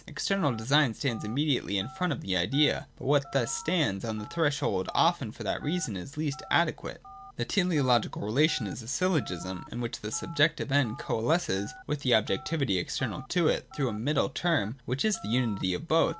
External design stands immediately in front of the idea : but what thus stands on the threshold often for that reason is least ade quate. 206.J The teleological relation is a syllogism in which the subjective end coalesces with the objectivity external to it, through a middle term which is the unity of both.